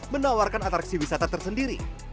menawarkan atraksi wisata tersendiri